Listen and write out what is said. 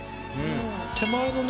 手前のね